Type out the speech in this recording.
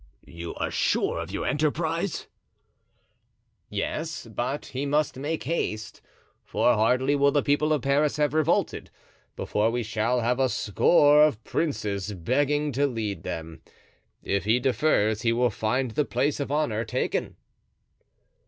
"You are sure of your enterprise?" "Yes, but he must make haste; for hardly will the people of Paris have revolted before we shall have a score of princes begging to lead them. If he defers he will find the place of honor taken."